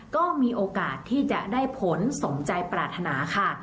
ก็มีโอกาสที่จะได้ผลสมใจปรารถนาค่ะ